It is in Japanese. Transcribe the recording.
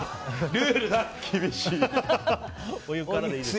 ルールって厳しい。